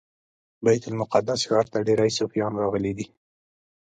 بیت المقدس ښار ته ډیری صوفیان راغلي دي.